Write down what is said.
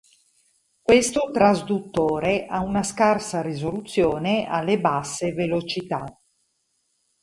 Questo trasduttore ha una scarsa risoluzione alle basse velocità.